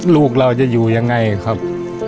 ลูกเราจะอยู่ยังไงครับ